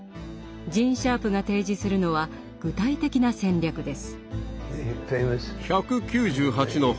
ジーン・シャープが提示するのは具体的な戦略です。